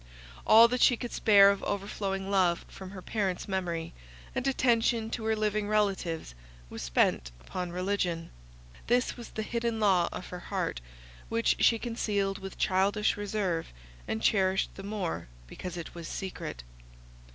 All that she could spare of overflowing love from her parents' memory, and attention to her living relatives, was spent upon religion. This was the hidden law of her heart, which she concealed with childish reserve, and cherished the more because it was secret.